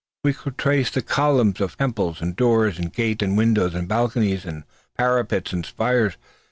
We could trace the columns of temples, and doors, and gates, and windows, and balconies, and parapets, and spires.